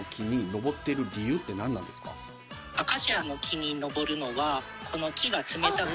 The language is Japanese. アカシアの木に登るのは。